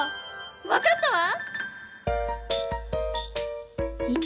わかったわ！